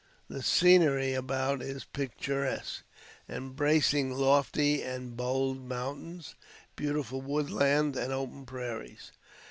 The scenery about is picturesque, embracing lofty and bold mountains, beautiful wood land and open prairies.